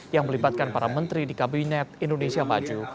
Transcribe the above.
yang melibatkan para menteri di kabinet indonesia maju